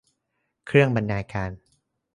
เครื่องบรรณาการ